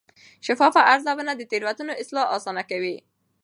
شفاف ارزونه د تېروتنو اصلاح اسانه کوي.